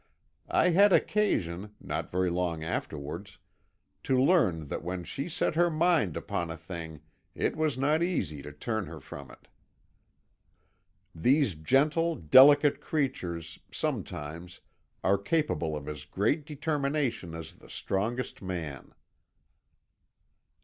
I had occasion, not very long afterwards, to learn that when she set her mind upon a thing, it was not easy to turn her from it. These gentle, delicate creatures, sometimes, are capable of as great determination as the strongest man.